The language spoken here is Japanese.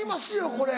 これ。